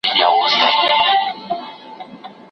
د وصال په شپه کي راغلم له هجران سره همزولی